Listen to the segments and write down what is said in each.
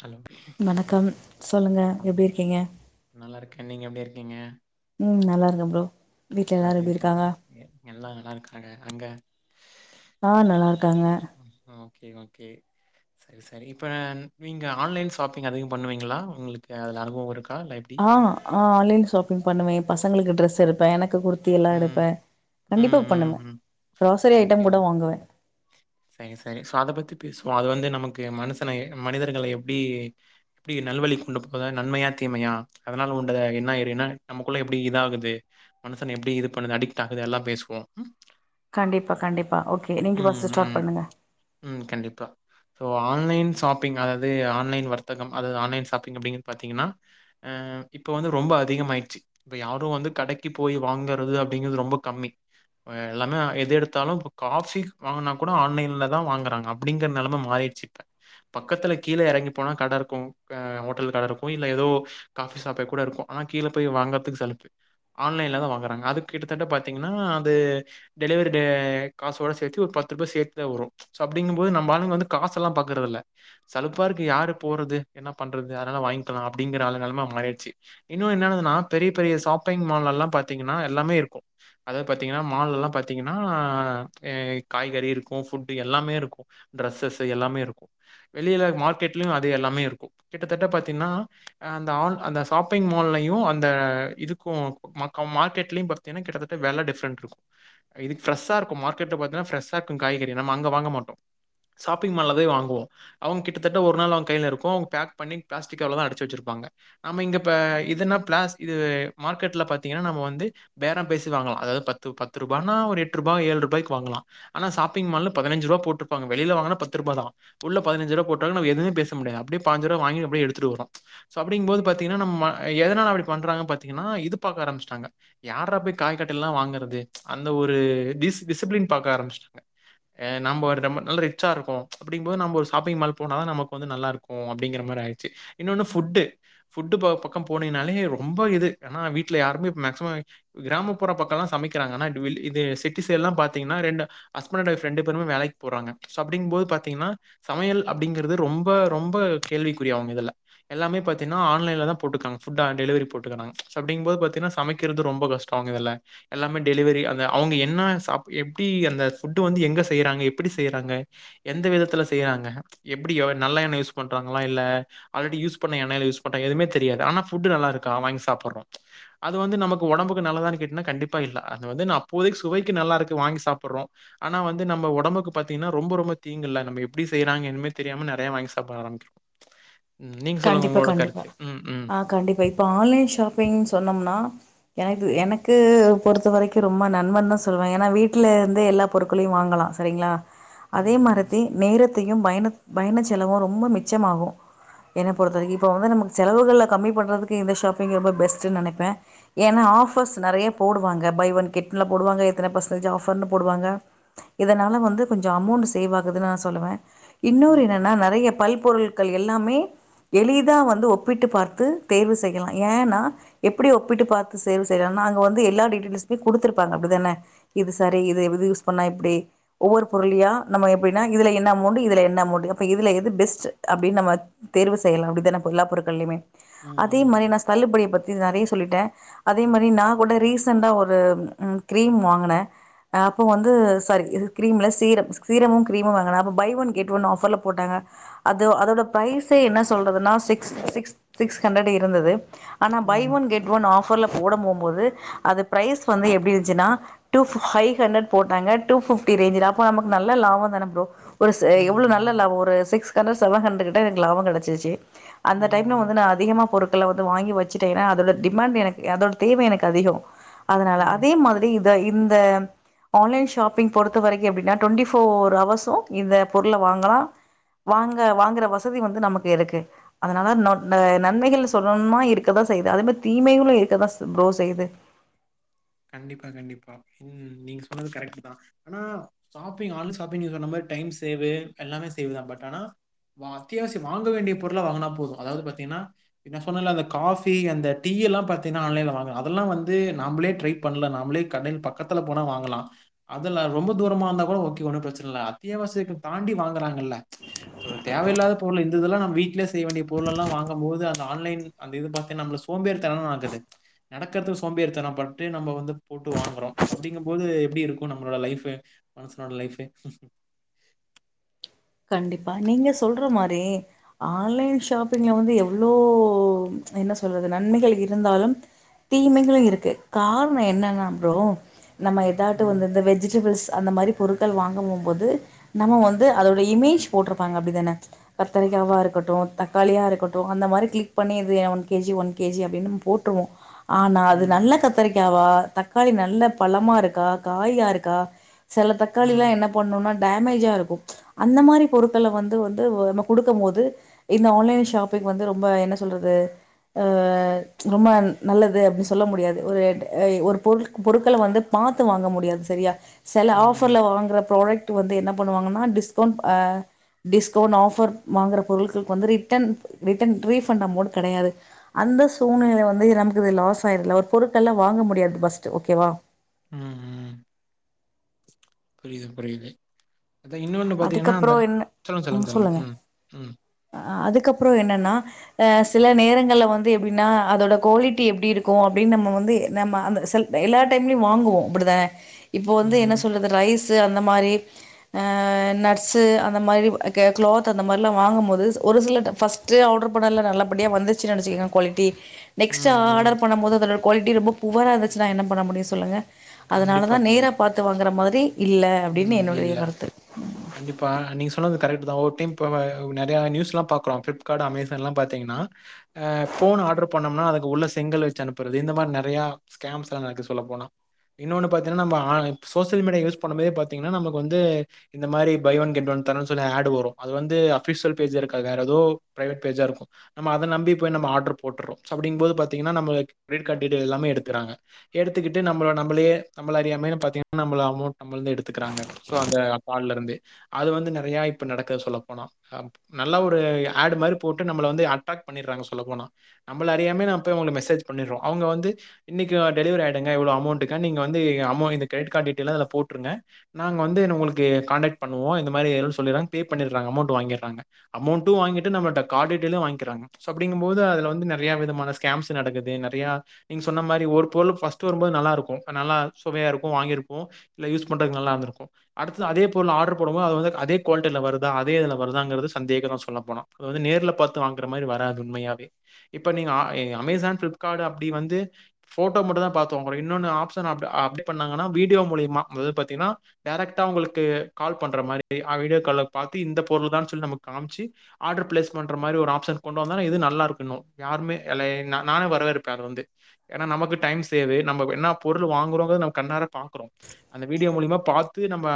Hello வணக்கம் சொல்லுங்க வணக்கம் எப்டி இருக்கீங்க நல்லா நீங்க எப்டி இர்க்கீங்க ம் நல்லாருக்க ப்ரோ வீட்ல எல்லாரு எப்டி இருக்காக எல்லா நல்லாருக்காக அங்க ஆ நல்லார்க் [unintelligible] ஓகே ஓகே சரி சரி இப்ப நீங்க ஆன்லைன் ஸாப்பிங் அதிகம் பண்ணுவீங்ளா உங்ளுக்கு அதுல அனுபவ இருக்கா தா ல்ல எப்டி ஆ ஆ ஆன்லைன்ல ஷாப்பிங் பண்ணுவே பசங்களுக்கு ட்ரெஸ் எடுப்ப எனக்கு குர் த்தில்லா ம், எடுப்ப கண்டிப்பா ம், ம், பண்ணுவ ம். ஓகே மேம் சரி சரி சோ அதபத்தி பேஸ் சுவோ அது வந்து நமக்கு மனுசன ஏ மனிதர்கள எப்டி எப்டி நல்வழி கொண்டு போதா நன்மையா தீமையா அதனால உண்டத என்ன எரின நமக்குள்ள எப்டி இதாகுது மனுசன எப்டி இது பண்ணுது அடிக்ட்டாக்குது எல்லா பேசுவோ கண்டிப்பா கண்டிப்பா ஓகே நீங்க ஃபஸ்ட்டு ம், ம். ஸ்டார்ட் பண்ணுங்க ம். கண்டிப்பா சோ ஆன்லைன்‌ சாப்பிங் அதாது ஆன்லைன் வர்த்தகம் அது ஆன்லைன் சாப்பிங் அப்டின் பாத்தீங்கனா அ இப்ப வந்து ரொம்ப அதிகமாயிடுச்சி இப்ப யாரு வந்து கடைக்கு போய் வாங்கறது அப்டிங்கறது ரொம்ப கம்மி அ எல்லாமே எது எடுத் தாலு இப்ப காஃபி வாங்குனா கூட ஆன்லைன்ல தா வாங்குறாங்க அப்டிங்கற நெலம மாரிடிச்சி இப்ப பக்கத்துல கீழ எறங்கி போனா கடருக்கு அ ஓட்டல் கடருக்கு இல்ல எதோ காஃபி ஷாப்பே கூட இருக்கு ஆனா கீழ போய் வாங்கற்த்துக்கு சலிப்பு ஆன்லைன்ல தா வாங்குறாங்க அது கிட்டதட்ட பாத்தீங்னா அது டெலிவரி தே காசோட சேத்து ஒரு பத்து ரூபா சேத்துதா வரு சோ அப்டிங்குபோது நம்ப ஆளுங்க வந்து காசல்லா பாக்குறதுல்ல சலுப்பாருக்கு யாரு போறது என்னா பண்றது அதனால வாய்ங்கலா அப்டிங்கற [unintelligible] நெலம மாரிட்ச்சி இன்னு என்னாகுதுனா பெரிய பெரிய சாப்பிங் மால்லலா பாத்தீங்கனா எல்லாமே இருக்கு அதாது பாத்தீங்கனா மால்லலா பாத் த்தீங்கன்னா அ ஏ காய்கறி இருக்கு ஃபுட்டு எல்லாமே இருக்கு ட்ரஸ்ஸஸு எல்லாமே இருக்கு வெளில மார்க்கெட்லியு அது எல்லாமே இருக்கு கிட்டத்தட்ட பாத்தினா அந்த ஆல் அந்த சாப்பிங் மால்லயு அந்த இதுக்கு மக்க மார்க்கெட்லயு பாத்தீனா கிட்டத்தட்ட வெல டிஃப்ரெண்ட்ருக்கு இது ஃப்ரெஷ்ஷாருக்கு மார்க்கெட்ல பாத்தன்னா ஃப்ரெஷ்ஷாருக்கு காய்கறி நம்ம அங்க வாங்க மாட்டோ சாப்பிங் மால்ல போயி வாங்குவோ அவங் கிட்டத்தட்ட ஒரு நாள் அவங் கைலருக்கு அவங் பேக் பண்ணி பிளாஸ்டிக் கவலதா அடச்சி வெச்சிருப்பாங்க நாம இங்க ப இதுனா பிளாஸ் இது மார்கெட்ல பாத்தின்னா நம்ம வந்து பேறம் பேசிலா வாங்லா அதாது பத்து பத்துரூ பனா ஒரு எட்ருபா ஏழ்ருபாய்க்கு வாங்கலா ஆனா சாப்பிங் மால்ல பதினஞ்சிருவா போட்ருப்பாங்க வெளில வாங்னா பத்ரூபா தா உள்ள பதினஞ்சிருவா போட்டாலு நா எதுமே பேச முடியாது அப்டே பாஞ்சிருவா வாங்கி அப்டே எடுத்துட்டு வரு சோ அப்டிங்போது பாத்தினா நம்ம எதனால அப்டி பண்றாங்க பாத்திங்கனா இது பாக்க ஆரம்பிச்ட்டாங்க யார்ரா போய் காய்கட்டல்லா வாங்கறது அந்த ஒரு டிஸ் டிசிப்ளின் பாக்க ஆரம்பிச்ட்டாங்க ஏ நம்போர் நம்ம நல்ல ரிச்சாருக்கோ அப்டிங் போது நம்ம ஒரு சாப்பிங் மால் போனாதா நமக்கு வந்து நல்லாருக்கு அப்டிங்கிற மாரி ஆயிடிச்சி இன்னொன்னு ஃபுட்டு ஃபுட்டு ப பக்கோ போனினாலே ரொம்ப இது ஏனா வீட்ல யாருமே மேக்சிமம் கிராமப்புற பக்கல்லா சமைக் குறாங்க அனா டுவில் இதே சிட்டி சைட்லா பாத்தீங்னா ரெண்டு ஹஸ்பணன்டு வெயிஃப் ரெண்டு பேருமே வேலைக்கு போறாங்க சோ அப்டிங்போது பாத்தீங்னா சமையல் அப்டிங்கறது ரொம்ப ரொம்ப கேள்விக்குரியாவு இதுல எல்லாமே பாத்தின்னா ஆன்லைன்லதா போட்டுக்றாங்க ஃபுட்டா டெலிவரி போட்டுக்கறாங்க சோ அப்டிங்போது பாத்தினா சமைக்கிறது ரொம்ப கஷ்டோங்க இதுல எல்லாமே டெலிவெரி அந்த அவுங்க என்னா சாப்பு எப்டி அந்த ஃபுட்டு வந்து எங்க‌ செய்றாங்க எப்பிடி செய்றாங்க எந்த விதத்துல செய்யிறாங்க எப்டியோ‌‌ நல்ல எண்ண யூஸ் பண்றாங்ளா இல்ல ஆல்ரெடி யூஸ் பண்ண எண்ணயில யூஸ் பண்றா எதுமே தெரியாது ஆனா ஃபுட்டு நல்லாருக்கா வாங்கி சாப்புர்றோ அது வந்து நமக்கு ஒடம்புக்கு நல்லதானு கேட்னா கண்டிப் ப்பா இல்ல அது வந்துனா அப்போதைக்கு சுவைக்கு நல்லாருக்கு வாங்கி சாப்புட்றோ ஆனா வந்து நம்ம ஒடம்புக்கு பாத்தினா ரொம்ப ரொம்ப தீங்குல்ல நம்ம எப்டி செய்றாங் எதுமே தெரியாம நெறைய வாங்கி சாப்புட ஆரம்பிக்கிறோ கண்டிப்பா கண்டிப்பா அ கண்டிப்பா இப்ப ஆன்லைன் ஷாப்பிங் சொன்னம்னா எனக்கு தெ எனக் கு பொறுத்த வரைக்கு ரொம்ப நன்மந்தா சொல்வே ஏனா வீட்லேருந்தே எல்லா பொருட்களையு வாங்கலா சரிங்களா அதே மரத்தி நேரத் தியு பயணத் பயண செலவு ரொம்ப மிச்சமாகு என்ன பொறுத்தவரைக்கு இப்போ வந்து நமக்கு செலவுகள்ல கம்மி பண்றதுக்கு இந்த ஷாப்பிங் ரொம்ப பெஸ்ட்டுன் நெனைப்ப ஏனா ஆஃபர்ஸ் நெறைய போடுவாங்க பை ஒன் கெட்ல போடுவாங்க இத்தன பர்சன்டேஜ் ஆஃபர்ன்னு போடுவாங்க இதனால வந்து கொஞ்சோ அமௌண்ட்டு சேவ் ஆகுதுன்னு நா சொல்லுவே இன்னொரு ம், என்னன்னா ம். நெறைய பல் பொருள்கள் எல்லாமே எளிதா வந்து ஒப்பிட்டு பார்த்து தேர்வு செய்யலா ஏன்னா எப்டி ஒப்பிட்டு பார்த்து சேர்வு செய்லானா அது வந்து எல்லா டீட்டெயில்சுமே குடுத்துருப்பாங்க அப்டிதான இது சரி இது இது யூஸ் பண்ணா இப்டி ஒவ்வொரு பொருளியா நம்ம எப்டின்னா இதுல என்ன அமௌண்டு இதுல என்ன அமௌண்டு அப்ப இதுல எது பெஸ்ட்டு அப்டின் நம்ம தேர்வு செய்லா அப்டிதான இப்ப எல்லா பொருட்களியுமே ம், அதே மாரி ம். நா ஸ்மெல்லு படிய பத் து நெறைய சொல்லிட்ட அதே மாரி நா ஒன்னு ரீசண்டா ஒரு ம் கிரீம் வாங்குன அ அப்போ வந்து சாரி இது கிரீம் ல சீரம் சீரமு கிரீமு வாங்குன அப்ப பை‌ ஒன்‌ கெட்‌ ஒன் ஆஃபர்ல போட்டாங்க அது அதோட பிரைஸ் சே என்ன சொல்றதுன்னா சிக்ஸ் சிக்ஸ் சிக்ஸ் ஹண்டரட் இருந்தது ஆனா பை ம், ம். ஒன் கெட் ஒன் ஆஃப் ஃபர்ல போட மோம்போது அது பிரைஸ் வந்து எப்டி இருன்ச்சினா டு ஃபைவ் ஹண்ரடு போட்டாங்க டு ஃபிப்டி ரேஞ்சி தா அப்ப நமக்கு நல்ல லாபோ தான‌ ப்ரோ ஒரு சே ம், எவ்ளோ நல்ல ம். லாபோ ஒரு சிக்ஸ் ஹண்ரடு சவன்ஹண்ரடு‌ கிட்ட லாபோ கெடச்சுச்சி அந்த ம், டைம்ல ம். வந்து நா அதிகமா பொருள் கள்ளா வந்து வாங்கி வச்சிட்டே ஏன்னா அதோட டிமேண்டு எனக்கு அதோட தேவை எனக்கு அதிகோ அதனால ம். அதே மாதிரி த இந்த ஆன்லைன் ஷாப்பிங் பொறுத்த வரைக்கு எப்டின்னா டுவண்டி ஃபோர் அவர்சு இந்த பொருள் வாங்களா வாங்க வாங்கற வஸ் ததி வந்து நமக்கு இருக்கு அதனால நொட் அ நன்மைகள் சொல்லன்மா இருக் கதா செய்து அதேமரி தீமைகளு இருக்கதா ப்ரோ செய்து கண்டிப்பா கண்டிப்பா நீங்க சொன்னது கரெக்ட் தா ஆனா ஷாப்பிங் ஆன்லைன் ஷாப்பிங் சொன்ன மாதுரி டைம் சே எல்லாமே சேவ் தான் பட் ஆனா அத்தியாவசியம் வாங்க வேண்டிய பொருள்ளை வாங்கினா போது அதாவ்து பாத்தீங்கன்னா சொன்னல அந்த காபி அந்த டீ எல்லாம் பாத்தீங்கன்னா ஆன்லைன் வாங்க அதெல்லா வந்து நம்பமளே ட்ரை பண்ள நமலே கடைல் பக்கத்துல போனா வாங்லா அத்தலா ரொம்துரமாந்த இருந்த பிரச்சனை இல்ல அத்தியசியாண்டி வாங்கறாங்களா தேவையில்லாத பொருள் இந்தது நம்ப வீட்ல செய் வேண்டிய பொருலாம் வாங்கும்போது அது ஆன்லைன் அந்த இது பத்திக சோபாரிதம் ஆகுது நடக்கருதுக்கு சோபாரி பைட் நம்ம வந்து போட்டு வாங்குறோ அப்டிங்கும்போது எப்டி இருக்கு நம்பளோட லைஃப மனசனோட லைஃபே கண்டிப்பா நீங்க சொல்ற மாரி ஆன்லைன் ஷாப்பிங்ல வந்து எவ்ளோ என்ன சொல்றது நன்மைகள் இருந்தாலு தீமைகளும் இருக்கு கார்ணோ என்னன்னா ப்ரோ நம்ம எதாட்டு ம். வந்து இந்த வெஜிடபிள்ஸ் அந்த மாதிரி பொருட்கள் வாங்கமம் போது நம்ம வந்து அதோட இமேஜ் போட்டிருப்பாங்க அப்படிதானே க கத்தரிக்காவா இருக்கட்டும் தக்காளியாக இருக்கட்டும் அந்த மாதிரி கிளிக் பண்ணி இது என் ஒன் கேஜி ஒன் கேஜி அப்படின்னு போட்டுருவோம் ஆனா அது ம்ஹ்ம். நல்ல கத்தரிக்காவா தக்காளி நல்ல பழமா இருக்கா காயா இருக்கா சில தக்காளி எல்லாம் ம். என்ன பண்ணணும்னா டேமேஜா இருக்கும் அந்த மாதிரி பொருட்களை வந்து வந்து நம்ம கொடுக்கும் போது இந்த ஆன்லைன் ஷாப்பிங் வந்து ரொம்ப என்ன சொல்றது அ ரொம்ப நல்லது அப்படின்னு சொல்ல முடியாது ஒரு ஒரு பொருட் பொருட்களை வந்து பார்த்து வாங்க முடியாது சரியா சில ம். ம். ஆஃபர்ல வாங்குற புராடெக்ட் வந்து என்ன பண்ணுவாங்கன்னா டிஸ்க் டிஸ்கவுண்ட் ஆஃபர் வாங்கற பொருட்களுக்கு வந்து ரிட்டன் ரீஃபண்ட் அமௌண்ட் கிடையாது அந்த சூழ்நிலை வந்து நமக்கு இது லாஸ் ஆயிரு ஒரு பொருட்கள் எல்லாம் வாங்க முடியாது ஃபஸ்ட் ஓகேவா ம் ம் புரியுது புரியுது அத இன்னொன்னு பாத்தீங்கன்னா அந்த அதுக்கப்புறோ என்ன சொல்லுங்க ம் சொல்லுங்க சொல்லுங்க ம் ம் அதுக்கப்புறம் என்னென்னா அ சில நேரங்கள்ல வந்து எப்படின்னா அதோட குவாலிட்டி எப்படி இருக்கும் அப்படின்னு நம்ம வந்து நம்ம அந்த எல்லா டைம்லயும் வாங்குவோம் அப்படித்தான இப்போ வந்து என்ன ம். சொல்றது ரைஸ் சு அந்த மாரி அ நட்ஸு அந்த மாரி க்ளோத் அந்த மாரிலா வாங்கும்போது ஒரு சில ஃபஸ்ட்டு ஆர்ட்ரு பண்ணில் நல்லபடியா வந்துச்சுன்னு நெனச்சக்க குவாலிட்டி நெக்ஸ்ட் அ ம். ம். ஆர்டர் பண்ணும் போது அத குவாலிட்டி ரொம்ப புவரா இருந்துச்சுனா என்ன பண்ண முடியு சொல்லுங்க கண்டிப்பா, அதனாலதா நேரா கண்டிப்பா. பாத்து வாங்குற மாதுரி இல்ல அப்டின்னு ம். என்னுடைய இல்ல. கருத்து கண்டிப்பா நீங் சொன்னத் கரெக்டுடாத ஒரு டைம் நேரியா நியூஸ்லா பாக்குறோம் பிளிப்கார்ட் அசான் ல பாபோன் ஆர்டர் பனோனான் உள்ள செங்கல் வச்சி அனுப்புறது இந்த மாதிரி ஸ்கேம்ஸ் எல்லா நடக்குது சொல்லப்போனா இன்னொன்னு பத்திகன நம்ப ஆ சோசியல் மீடியா யூஸ் பஒன்னமேத பா்த்தீங்னா நமக்கு வந்து இந்த மாதிரி பை ஒன் கெட் ஒன் தரு சொல்லி ஆடு் வரும் அது வந்து அபிஷியல் பேஜ் இருக்கது வேற ஏதோ ப பிரைவேட் பேஜா இருக்கும் நம்ம அதை நம்பி போய் நம்ம ஆ்டர் போட்டுறோம் அப்படிங்கபோ பார்த்தீங்கன்னா நம்ம கிரெடிட் கார்ட்டீட்டெய எல்ல எடுக்காங்க எடுத்து நம்ம நமளே நம்ம அறாமே்த்தீங்கா நம அமௌண்ட் நம்ப்ள்து எடுத்துக்குறாங்க சோ அந்த கால்லருந்தே அது வந்து நறையா இப்போ நடக்குது சொல்லப்போனா நல்ல ஒரு ஆட் மாரி போட்டு நம்மள வந்து அட்ராக்ட் பண்ணிடுறாங்க சொல்ல போனா நம்மள அறாமே ந போய் அவங்க மெசேஜ் பண்ணிடுறோம் அவங்க வந்து இன்னக்கி டெலிவரி ஆடுங்க எவ்வளோ அமௌண்ட்டக்க நீங்க வம இந்த கிரெடிட் கார்ட் அத போட்டு ட்ருங்க நாங் வந்து உங்குளுக்கு காண்டேக் பண்ணுவோ இந்தமாரி வேணு சொல்லிறாங்க பே பண்ணிறாங்க அமோண்டு வாங்கிறாங்க அமௌன்ட்டு வாங்கிட்டு நம்மள்ட்ட காட் டீடெய்லு வாங்கிறாங்க சோ அப்டின்னுமோது அதுல வந்து நெறைய விதமான ஸ்கேம்ஸ் நடக்குது நெறயா நீங் சொன்ன மாரி ஒரு பொருள் ஃப்ஸ்ட்டு வரும்போது நல்லா இருக்கும் அது நல்லா சுவையா இருக்கு வாங்கிருப்போ இல்ல யூ பண்ணுறது நல்லாருந்துருக்கு அடுத்தது அதே பொருள் ஆர்டர் போடும்போது அது வந்து அதே குவாலிட்டியில் வருதா அதே இதுல வருதாங்கிறது சந்தேகம் தான் சொல்ல போனம் அது வ நேரில் பாரு வாங்குிற மாிரி வராது உண்மையாவவே இப்போ நீங்கள் அமேசான் ஃப்ளிபார்ட் அப்டி வந்து ஃபோட்டோ மட்டும் தா பாத்தங்க கூட இன்னொன்று ஆப்ஷன் அ அப்டி பண்ணிங்க வீடியோ மூலியமா அ பாத்தீங்னா டைரக்ட்டா உங்களுக்கு கால் பண்ற மாரி ஆ வீடியோ கால பாரு இந்த பொருள் தான்ு சொல்லி நம காம்ச்சு ஆர்டர் பிளேஸ் பண்ற மாதிரி ஒரு ஆப்ஷன் கொண்டு வந்தா இது நல்லா இருக்கணு யாமே இல்ல நானே வரவேர்ப்ப அது வந்து ஏன்னா நமக்கு டைம் சேவ நம்ம என்ன பொருள் வாங்குறோங்க நம்ம கண்ணார பாக்குறோ அந்த வீடியோ மூலிமா பாத்து நம்ம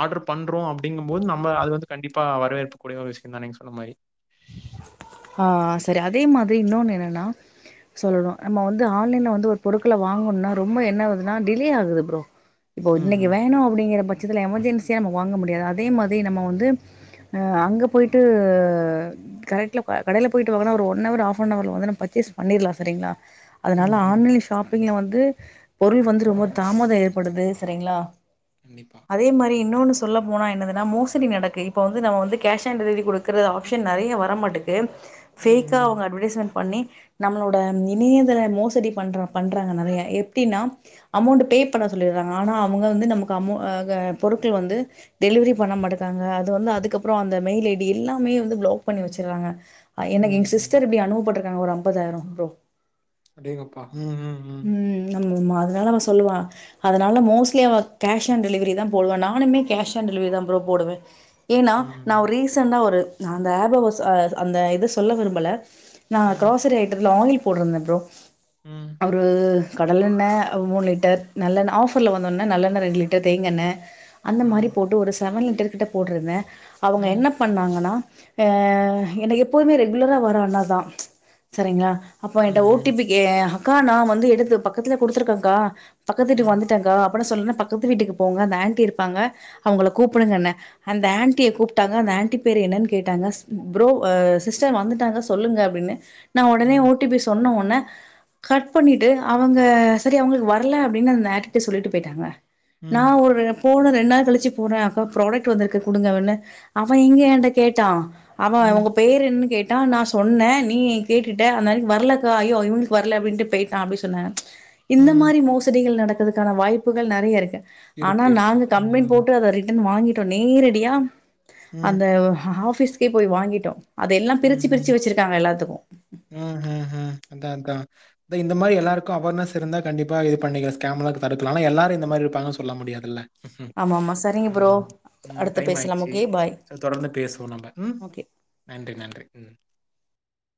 ஆர்டர் பண் றோ அப்டிங்கபோது நம்ம அது வந்து கண்டிப் ப்பா வரவேற்ப் கூடிய ஒரு விஷ்யம் தா நீங் சொன்ன மாரி அ செரி அதே மாதுரி இன்னொன்னு என்னன்னா சொல்லணும் நம்ம வந்து ஆன்லைன்ல வந்து ஒரு பொருட்களை வாங்கணுனா ரொம்ப என்ன ஆகுதுன்னா டிலே ஆகுது ப்ரோ இப்போ ம், இன்னிக்கு ம். வேணும் அப்டிங்கிற பட்ஷ இதுல எமர்ஜென்சியா நம்ம வாங்க முடியாது அதே மாதிரி நம்ம வந்து அங்க போய்ட்டு கரெக்ட்ல கடைல போய்ட்டு வாங்கனா ஒரு ஒன் அவர் ஆஃப் அன் அவர்ல வந்து நம்ம பர்சேஸ் பண்ணிர்லா செரிங்களா அதனால ம்ஹ்ம். ஆன்லைன் ஷாப் நீங்க வந்து பொருள் வந்து ரொம்ப தாமதம் ஏற்படுது செரிங்களா கண்டிப்பா. அதே மாரி இன்னொன் சொல்ல போனா என்னதுன்ன மோசடி நடக்கு இப்ப வந்து நம்ம வந்து கேஷ் ஆன் டெலிவரி கொடுக்ற ஆப்ஷன் நிறைய வரமாட்டேங் ஏம் ம், ஃபேக்கா ம். அவங்க அட்வர்டைஸ்மெண்ட் பண்ணி நம்மளோட இணையதள மோசடி பண்ற பண்றாங்க நிறைய எப்டின்னா அமௌண்ட் பே பண்ண சொல்லிடுறாங்க ஆனா அவங்க வந்து நமக்கு அமௌ ஹ் பொருட்கள் வந்து டெலிவ்ரி பண்ண மாட்டேங்கறாங்க அது வந்து அதுக்கப்புறம் அந்த மெயில் ஐடி எல்லாமே வந்து பிளாக் பண்ணி வச்சுடுறாங்க எனக்கு ம், எங் ம். சிஸ்டர் இப்படி அனுவப்பட்டு எனக்கு ஒரு ஐம்பதாயிரம் புரோ அடேங்கப்பா ம் ம் ம் ஆ ஊ அதனால அவன் சொல்லுவான் அதனால மோஸ்ட்லி அவ கேஷ் ஆன் டெலிவரி தான் போடுவ நானுமே கேஷ் ஆன் டெலிவரி தான் புரோ போடுவேன் ஏன்னா நான் ம், ஒரு ரீசண்ட்டா ஒரு நான் அந்த ஆப்ப வந்து அ அந்த இதை சொல்ல விரும்பல நான் ம், க்ரோசரி அயிட்டத்ல ஆயில் போட்டுருந்தே ப்ரோ ம் ஒரு கடலெண்ணெ மூணு லிட்டர் நல்லெண் ஆஃபரில் வந்த உடனே நல்லெண்ண ரெண்டு லிட்டர் தேங்கெண்ணெ அந்த மாரி ம், போட்டு ஒரு செவன் லி டகிட்ட போட்ருந்தே ம், அவங்க என்ன பண்ணாங்கனா அ என்ன எப்போதுமே ரெகுலரா வர அண்ணாதான் செரிங்களா அப்போ ம், என்ட ஓ டி ம். பி கே அக்கா நான் வந்து எடுத்து பக்கத்துல குடுத்ருக்கே அக்கா பக்கத்து வீட்டுக் ம் வந்துட்டேன் கா பன சொல்னெ பக்கத்து வீட்டுக்கு போங்க அந்த ஆன்டி இருப்பாங்க அவங்கள கூப்டுங்கன்னெ அந்த ஆன்டிய கூப்டாங்க அந்த ஆன்டி பேர் என்னனு கேட்டாங்க ஸ்‌ ப்ரோ சிஸ்டர் வந்துட்டாங்க சொல்லுங்க அப்டின்னு நா ஒடனே ம் ஓ டி பி சொன்ன ஒன்னே கட் பண்ணிட்டு அவங்க செரி அவங்ளுக் வரல அப்டின்னு அந்த ஆன்டிட்ட சொல்லிட்டு பொய்ட்டாங்க நா ம் ஒர்ரெஃவ் போன ரெண் நாள் கழிச்சு போட்றே அக்கா ப்ராடக்ட் வந்துருக்கு குடுங்கவன்னு அவெ எங்க ஏண்ட கேட்டா அவெ ம் உங்க பேரு என்னு கேட் டா நா சொன்னே நீ கேட்டுட்ட அந்தான்க் வரலக்கா ஐயோ இவுங்ளுக்கு வர ல அப்டின்ட்டு பெய்ட்டா அப்டி சொன்னே இந்த ம் மாரி மோசடிகள் நடக் அதுக்கான வாய்ப்புகள் நெறையா இருக்கு ஆனா இருக்கு இருக்கு நாங்க கம்ளைன் ம் போட்டு அத ரிவ் ன் வாங்கிட்டோ நேரெடியா ம் ம் அந்த ஒ ஹஹா பிஸ்கே போய் வாங்கிட்டோ அத எல்லா உம் பிரிச்சு உம் பிரிச்சு வச்சிருக்காங்க எல்லாத்துக்கு உம் ஹும் ஹும் அதா அதா இந்த இந்த மாரி எல்லாருக்கு அவேர்னஸ் இருந்தா கண்டிப்பா இது பண்ணிக்க ஸ்கேம்லா தடுக்கலா ஆனா எல்லாரு இந்த மாரி இருப்பாங்கன் சொல்ல முடியாதுல்ல ஆமா ஆமா சரிங்க ப்ரோ உம் உம் அடுத்து டைம் பேசலாம் ஆயிட்ச்சி ஓகே பாய் சல் தொடர்ந்து பேசுவோ நம்ப உம் ஓகே டை உம்